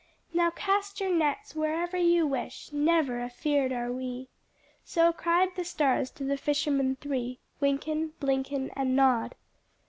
"Now cast your nets wherever you wish,— Never afeard are we!" So cried the stars to the fishermen three, Wynken, Blynken, And Nod.